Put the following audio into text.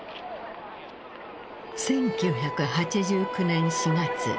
１９８９年４月。